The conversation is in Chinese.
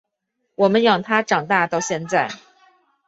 我们养他长大到现在